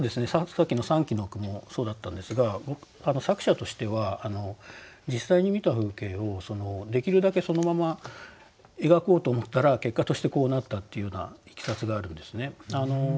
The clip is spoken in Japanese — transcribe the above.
さっきの三鬼の句もそうだったんですが作者としては実際に見た風景をできるだけそのまま描こうと思ったら結果としてこうなったっていうようないきさつがあるんですね。